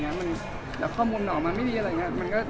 มันเนี้ยข้อมูลออกมาไม่ดีหรืออะไรอย่างนี้